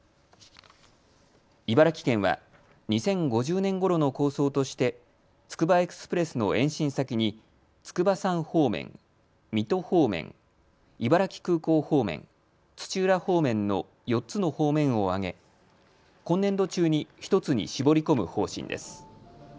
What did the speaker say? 茨城県は２０５０年ごろの構想として、つくばエクスプレスの延伸先に筑波山方面、水戸方面、茨城空港方面、土浦方面の４つの方面を挙げ、今年度中に１つに絞り込む方針です。